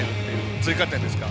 追加点ですか。